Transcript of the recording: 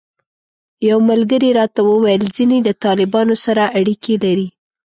یو ملګري راته وویل ځینې د طالبانو سره اړیکې لري.